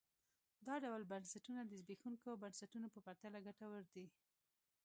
دا ډول بنسټونه د زبېښونکو بنسټونو په پرتله ګټور دي.